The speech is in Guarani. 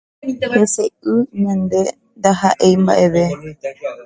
Heseʼỹ ñande ndahaʼéi mbaʼeve.